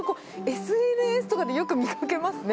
ＳＮＳとかでよく見かけますね。